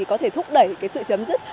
có thể thúc đẩy sự chấm dứt